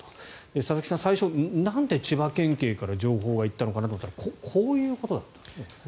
佐々木さん、最初なんで千葉県警から情報が行ったのかなと思ったらこういうことだったんですね。